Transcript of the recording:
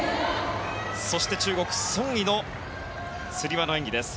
そして中国、ソン・イのつり輪の演技です。